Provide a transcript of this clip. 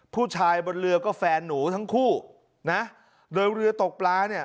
ผู้ชายบนเรือก็แฟนหนูทั้งคู่นะโดยเรือตกปลาเนี่ย